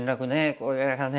これがね